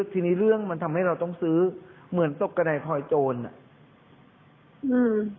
ทีนี้เรื่องมันทำให้เราต้องซื้อเหมือนตกกระดายพลอยโจรอ่ะอืม